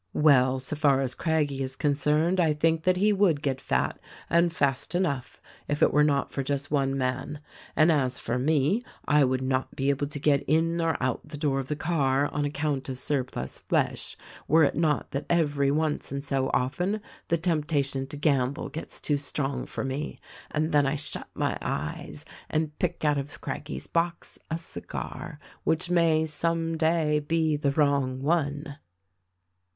"Well, so far as Craggie is concerned I think that he would get fat, and fast enough, if it were not for just one man; and as for me, I would not be able to get in or out the door of the car, on account of surplus flesh, were it not that every once in so often the temptation to gamble gets too strong for me, and then I shut my eyes and pick out Of Craggie's box, a cigar, — which may some day be the wrong one."